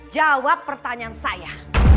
jawab pertanyaan saya